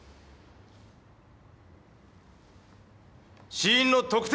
死因の特定！